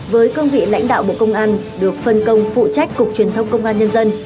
với cương vị lãnh đạo bộ công an được phân công phụ trách cục truyền thông công an nhân dân